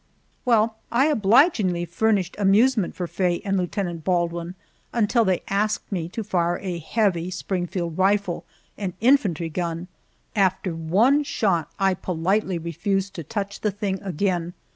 Well, I obligingly furnished amusement for Faye and Lieutenant Baldwin until they asked me to fire a heavy Springfield rifle an infantry gun. After one shot I politely refused to touch the thing again.